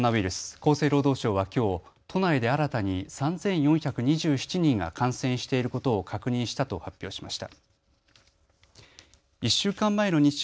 厚生労働省はきょう都内で新たに３４２７人が感染していることを確認したと発表しました。